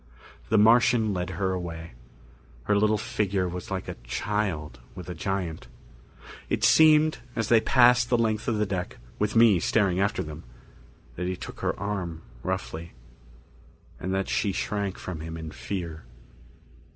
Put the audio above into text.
The Martian led her away. Her little figure was like a child with a giant. It seemed, as they passed the length of the deck, with me staring after them, that he took her arm roughly. And that she shrank from him in fear.